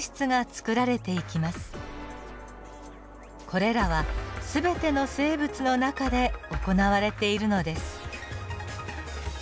これらは全ての生物の中で行われているのです。